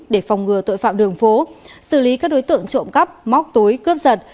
để phòng ngừa tội phạm đường phố xử lý các đối tượng trộm cắp móc túi cướp giật